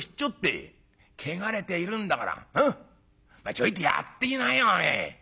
ちょいとやっていきなよお前」。